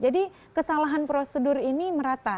jadi kesalahan prosedur ini merata